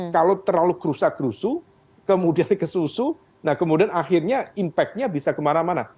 kalau terlalu kerusa kerusu kemudian kesusu nah kemudian akhirnya impact nya bisa kemana mana